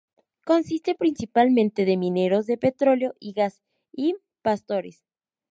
Consiste principalmente de mineros de petróleo y gas y pastores.